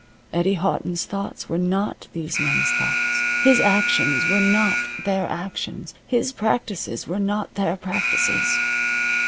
Eddie Houghton's thoughts were not these men's thoughts; his actions were not their actions, his practices were not their practices.